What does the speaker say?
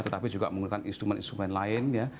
tetapi juga menggunakan instrumen instrumen lain ya